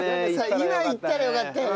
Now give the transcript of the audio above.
今いったらよかったよね。